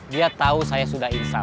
dia tau saya sudah insap